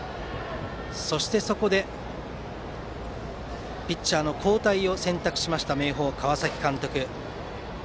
そこでピッチャーの交代を選択しました明豊の川崎監督。